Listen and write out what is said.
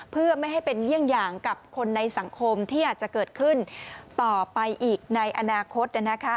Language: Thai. เพื่อไม่ให้เป็นเยี่ยงอย่างกับคนในสังคมที่อาจจะเกิดขึ้นต่อไปอีกในอนาคต